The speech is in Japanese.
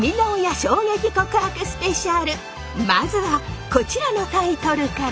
まずはこちらのタイトルから！